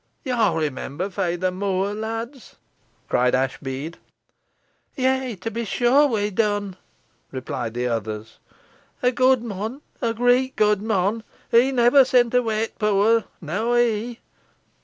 "Yo remember Feyther Moore, lads," cried Ashbead. "Yeigh, to be sure we done," replied the others; "a good mon, a reet good mon! He never sent away t' poor naw he!"